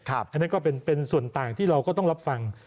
อันนั้นก็เป็นส่วนต่างที่เราก็ต้องรับฟัง